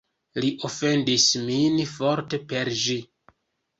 Li ofendis min forte per ĝi.